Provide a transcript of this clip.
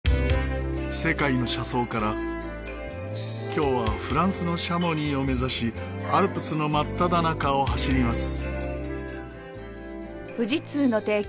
今日はフランスのシャモニーを目指しアルプスの真っただ中を走ります。